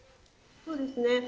そうですね。